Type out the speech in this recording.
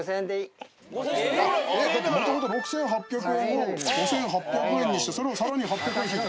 もともと６，８００円を５，８００円にしてそれを更に８００円引いて。